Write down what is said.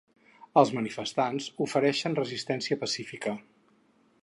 Els manifestants ofereixen resistència pacífica.